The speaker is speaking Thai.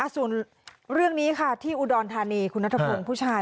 ส่วนเรื่องนี้ค่ะที่อุดรธานีคุณนัทพงศ์ผู้ชาย